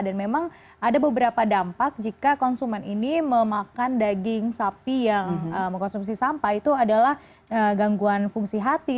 dan memang ada beberapa dampak jika konsumen ini memakan daging sapi yang mengkonsumsi sampah itu adalah gangguan fungsi hati